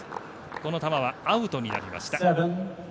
この球はアウトになりました。